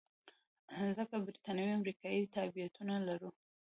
ځکه بریتانوي او امریکایي تابعیتونه لرو.